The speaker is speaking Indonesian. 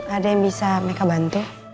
ada yang bisa mereka bantu